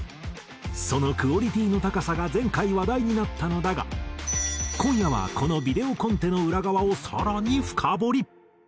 そのクオリティーの高さが前回話題になったのだが今夜はこのビデオコンテの裏側を更に深掘り。